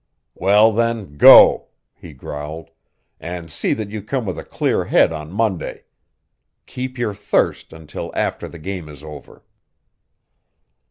"Well, then, go," he growled; "and see that you come with a clear head on Monday. Keep your thirst until after the game is over."